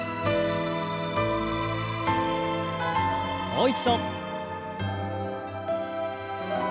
もう一度。